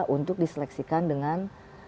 untuk diseleksikan dengan